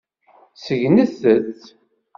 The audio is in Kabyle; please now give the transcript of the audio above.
Segnet-t.